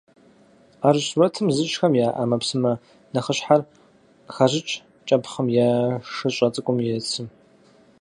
Ӏэрыщӏ сурэт зыщӏхэм я ӏэмэпсымэ нэхъыщхьэр къыхащӏыкӏ кӏэпхъым е шыщӏэ цӏыкум и цым.